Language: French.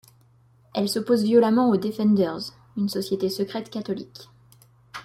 Elle s'oppose violemment aux Defenders, une société secrète catholique.